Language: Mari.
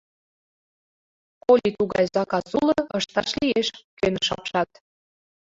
— Коли тугай заказ уло, ышташ лиеш, — кӧныш апшат.